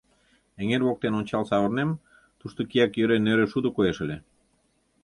Эҥер воктен ончал савырнем, тушто кияк йӧре нӧрӧ шудо коеш ыле.